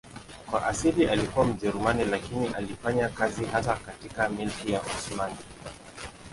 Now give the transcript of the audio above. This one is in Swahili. Kwa asili alikuwa Mjerumani lakini alifanya kazi hasa katika Milki ya Osmani.